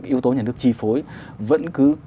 yếu tố nhà nước chi phối vẫn cứ